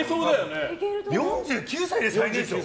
４９歳で最年少？